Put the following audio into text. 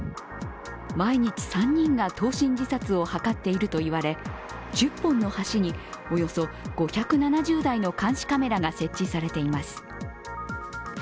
毎日３人が投身自殺を図っていると言われ、１０本の橋におよそ５７０台の監視カメラが設置されています。